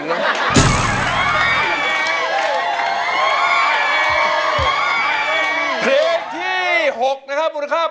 เชิงที่๖บุคค่า๘๐๐๐๐บาทนะครับคุณโน๊ตเชิญยิ้มร้องให้โลงอายุนะครับ